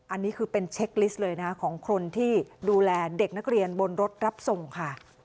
อันนี้คือเป็นเช็คลิสต์เลยนะของคนที่ดูแลเด็กนักเรียนบนรถรับส่งค่ะ